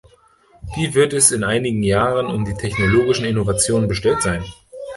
Wie wird es in einigen Jahren um die technologischen Innovationen bestellt sein?